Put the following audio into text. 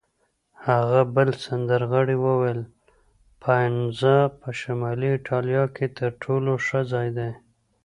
هغه بل سندرغاړي وویل: پایسنزا په شمالي ایټالیا کې تر ټولو ښه ځای دی.